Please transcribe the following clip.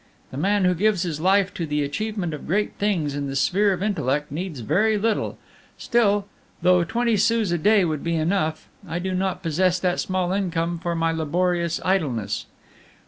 The man who gives his life to the achievement of great things in the sphere of intellect, needs very little; still, though twenty sous a day would be enough, I do not possess that small income for my laborious idleness.